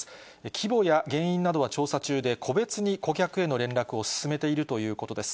規模や原因などは調査中で、個別に顧客への連絡を進めているということです。